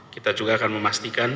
kita juga akan memastikan